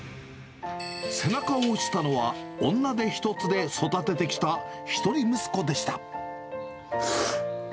背中を押したのは、女手一つで育ててきた一人息子でした。